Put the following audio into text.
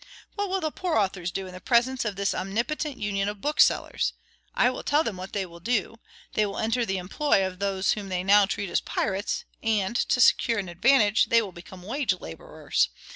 What will the poor authors do in the presence of this omnipotent union of booksellers? I will tell them what they will do. They will enter the employ of those whom they now treat as pirates; and, to secure an advantage, they will become wage laborers.